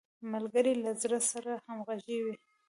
ملګری له زړه سره همږغی وي